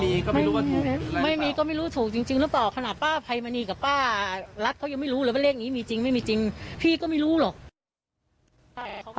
มีก็ไม่รู้ว่าถูกไม่มีก็ไม่รู้ถูกจริงหรือเปล่าขนาดป้าภัยมณีกับป้ารัฐเขายังไม่รู้เลยว่าเลขนี้มีจริงไม่มีจริงพี่ก็ไม่รู้หรอก